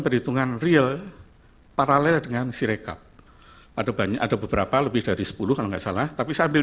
perhitungan real paralel dengan sirecap ada beberapa lebih dari sepuluh kalau nggak salah tapi saya ambil